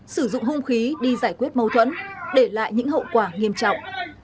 sử dụng hung khí đi giải quyết mâu thuẫn để lại những hậu quả nghiêm trọng